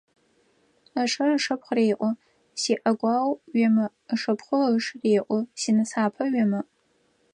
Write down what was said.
Ышы ышыпхъу реӀо: «СиӀэгуао уемыӀ», ышыпхъу ышы реӀо: «Синысхъапэ уемыӀ».